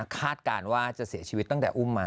การว่าจะเสียชีวิตตั้งแต่อุ้มมา